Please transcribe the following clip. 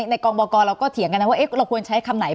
กองบกรเราก็เถียงกันนะว่าเราควรใช้คำไหน